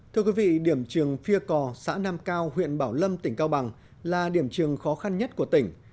thưa quý vị điểm trường phia cò xã nam cao huyện bảo lâm tỉnh cao bằng là điểm trường khó khăn nhất của tỉnh